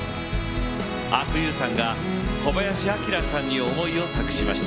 阿久悠さんが小林旭さんに思いを託しました。